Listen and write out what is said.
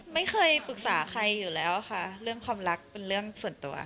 ไม่เคยปรึกษาใครอยู่แล้วค่ะเรื่องความรักเป็นเรื่องส่วนตัว